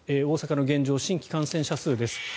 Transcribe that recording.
大阪の現状、新規感染者数です。